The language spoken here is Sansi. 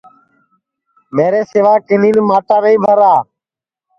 میرے سیوا کِنین ماٹا نائی بھرا